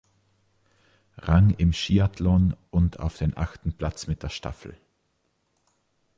Rang im Skiathlon und auf den achten Platz mit der Staffel.